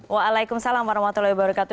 waalaikumsalam warahmatullahi wabarakatuh